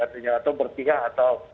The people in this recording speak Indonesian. artinya atau berpihak atau